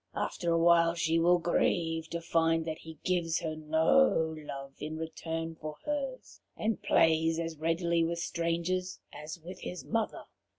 After a while she will grieve to find that he gives her no love in return for hers, and plays as readily with strangers as with his mother.